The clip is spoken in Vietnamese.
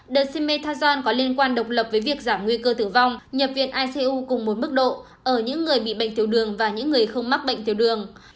đợt shimeazan có liên quan độc lập với việc giảm nguy cơ tử vong nhập viện icu cùng một mức độ ở những người bị bệnh tiểu đường và những người không mắc bệnh tiểu đường